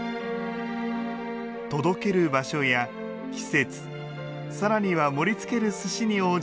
届ける場所や季節更には盛りつける寿司に応じて器を変えます。